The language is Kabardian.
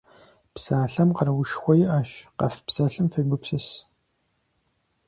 Псалъэм къэруушхуэ иӏэщ, къэфпсэлъым фегупсыс.